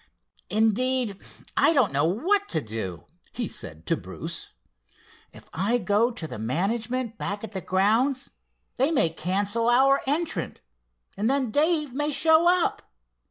"Indeed, I don't know what to do," he said to Bruce. "If I go to the management back at the grounds, they may cancel our entrant, and then Dave may show up.